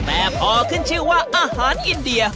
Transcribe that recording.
แต่พอขึ้นชื่อว่าอาหารอินเดีย